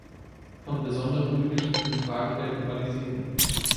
Von besonderem Gewicht sind Fragen der Globalisierung.